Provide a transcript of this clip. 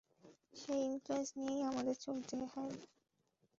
সেই ইনফ্লুয়েন্স নিয়েই আমাদের চলতে হয়।